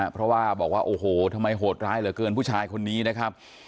เพราะว่าบอกว่าโอ้โหทำไมโหดร้ายเหลือเกินผู้ชายคนนี้นะครับ